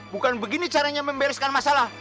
bukan begini caranya membereskan masalah